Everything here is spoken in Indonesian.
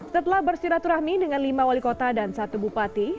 setelah bersiraturahmi dengan lima wali kota dan satu bupati